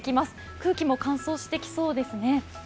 空気も乾燥してきそうですね。